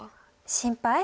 心配？